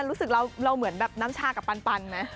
รู้สึกเราเหมือนแบบน้ำชากับปันไหม